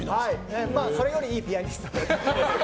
それよりいいピアニスト。